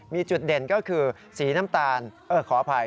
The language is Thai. มีจุดเด่นก็คือสีน้ำตาลขออภัย